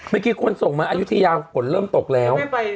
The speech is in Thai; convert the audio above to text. เมื่อกี้คนส่งมาอายุที่ยาวผลเริ่มตกแล้ว